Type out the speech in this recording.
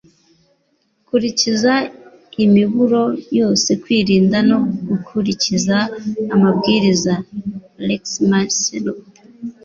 Kurikiza imiburo yose kwirinda no gukurikiza amabwiriza (alexmarcelo)